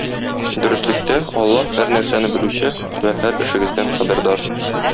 Дөреслектә, Аллаһ һәр нәрсәне белүче вә һәр эшегездән хәбәрдар.